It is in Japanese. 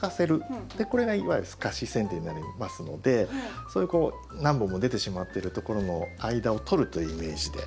これがいわゆるすかしせん定になりますのでそういう何本も出てしまってるところの間を取るというイメージで。